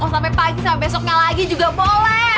oh sampai pagi sama besoknya lagi juga boleh